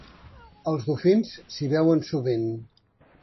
Els dofins s'hi veuen sovint.